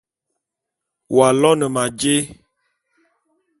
W'aloene ma jé?